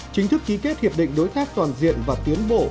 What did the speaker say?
chính thức ký kết hiệp định đối tác toàn diện và tiến bộ